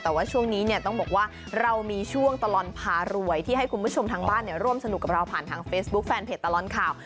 แต่ว่าช่วงนี้เนี่ยต้องบอกว่าเรามีช่วงตลอดพารวยที่ให้คุณผู้ชมทางบ้านร่วมสนุกกับเราผ่านทางเฟซบุ๊คแฟนเพจตลอดข่าว